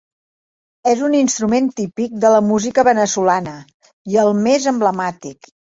És un instrument típic de la música veneçolana, i el més emblemàtic.